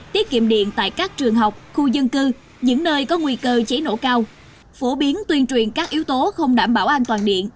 tiết kiệm điện tại các trường học khu dân cư những nơi có nguy cơ cháy nổ cao phổ biến tuyên truyền các yếu tố không đảm bảo an toàn điện